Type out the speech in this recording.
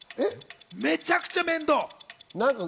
めちゃくちゃ面倒。